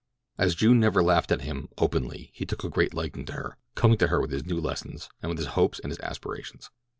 As June never laughed at him—openly—he took a great liking to her, coming to her with his new lessons, with his hopes and his aspirations.